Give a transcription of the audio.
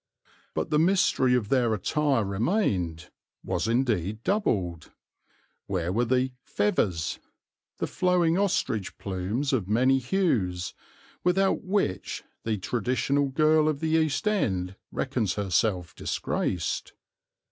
But the mystery of their attire remained, was indeed doubled. Where were the "fevvers," the flowing ostrich plumes of many hues, without which the traditional girl of the East End reckons herself disgraced?